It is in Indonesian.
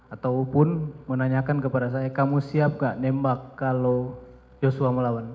ataupun menanyakan kepada saya kamu siap gak nembak kalau joshua melawan